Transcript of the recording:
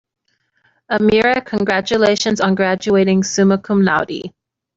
"Amira, congratulations on graduating summa cum laude."